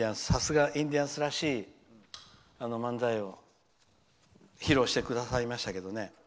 さすがインディアンスらしい漫才を披露してくださいましたけどね